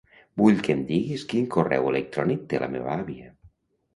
Vull que em diguis quin correu electrònic té la meva àvia.